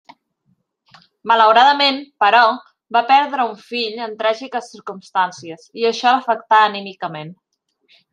Malauradament, però, va perdre un fill en tràgiques circumstàncies i això l'afectà anímicament.